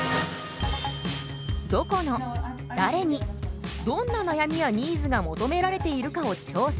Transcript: どこの誰にどんな悩みやニーズが求められているかを調査。